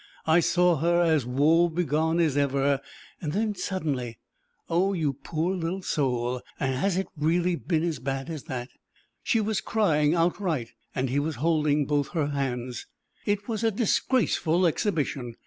I saw her as woe begone as ever; then, suddenly oh, you poor little soul, and has it really been as bad as that! She was crying outright, and he was holding both her hands. It was a disgraceful exhibition.